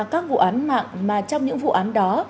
các vụ án mạng mà trong những vụ án đó